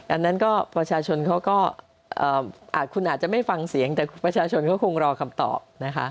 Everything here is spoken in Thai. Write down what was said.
อันนั้นก็ประชาชนเขาก็คุณอาจจะไม่ฟังเสียงแต่ประชาชนก็คงรอคำตอบนะคะ